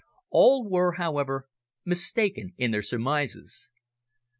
All were, however, mistaken in their surmises.